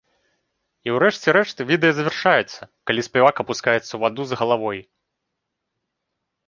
І ў рэшце рэшт відэа завяршаецца, калі спявак апускаецца ў ваду з галавой.